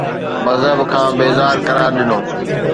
مذهب کان بيزار قرار ڏنو